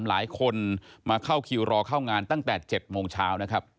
หลายคนมาเข้าคิวรอเข้างานตั้งแต่๗โมงเช้านะครับ